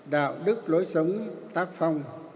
đạo đức lối sống tác phong